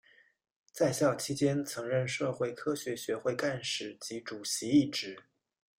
在校期间曾任社会科学学会干事及主席一职。